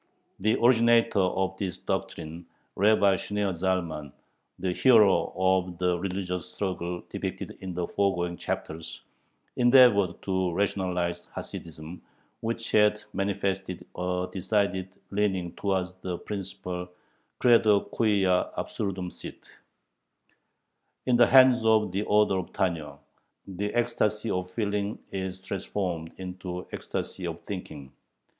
The originator of this doctrine, Rabbi Shneor Zalman, the hero of the religious struggle depicted in the foregoing chapters, endeavored to rationalize Hasidism, which had manifested a decided leaning toward the principle credo quia absurdum sit. In the hands of the author of Tanyo, the ecstasy of feeling is transformed into ecstasy of thinking.